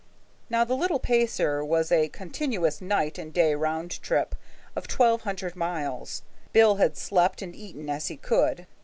Now the little pasear was a continuous night and day round trip of twelve hundred miles. Bill had slept and eaten as he could.